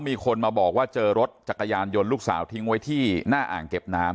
มีคนมาบอกว่าเจอรถจักรยานยนต์ลูกสาวทิ้งไว้ที่หน้าอ่างเก็บน้ำ